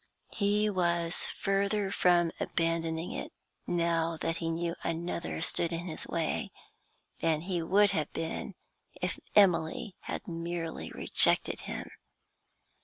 He was further from abandoning it, now that he knew another stood in his way, than he would have been if Emily had merely rejected him.